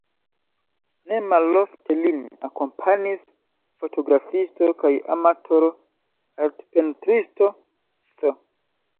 Ne malofte lin akompanis fotografisto kaj amatoro-artpentristo Th.